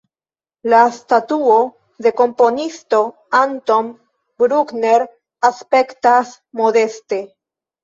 La statuo de komponisto Anton Bruckner aspektas modeste.